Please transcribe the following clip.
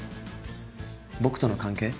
僕との関係？